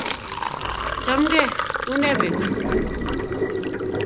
Chamngei? Une petut?